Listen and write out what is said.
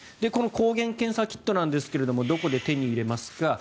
この抗原検査キットなんですがどこで手に入れますか。